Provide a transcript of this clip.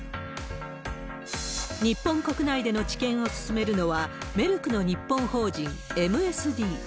日本国内での治験を進めるのは、メルクの日本法人ＭＳＤ。